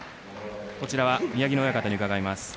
こちらは宮城野親方に伺います。